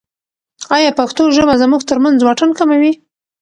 ایا پښتو ژبه زموږ ترمنځ واټن کموي؟